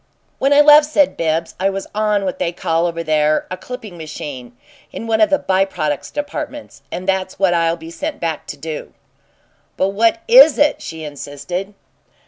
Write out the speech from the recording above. "When I left," said Bibbs, "I was 'on' what they call over there a 'clipping machine,' in one of the 'by products' departments, and that's what I'll be sent back to." "But what is it?" she insisted.